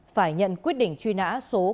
phải nhận quyết định truy nã số bốn